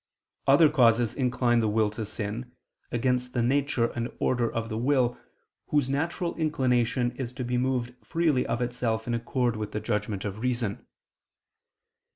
Other causes incline the will to sin, against the nature and order of the will, whose natural inclination is to be moved freely of itself in accord with the judgment of reason.